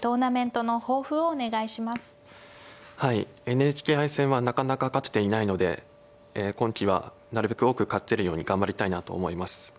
ＮＨＫ杯戦はなかなか勝てていないので今期はなるべく多く勝てるように頑張りたいなと思います。